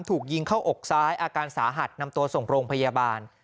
ถูกยิงเข้าอกซ้ายอาการสาหัสนำตัวส่งโรงพยาบาล